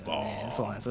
そうなんです。